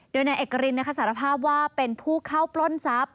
โดยนายเอกรินสารภาพว่าเป็นผู้เข้าปล้นทรัพย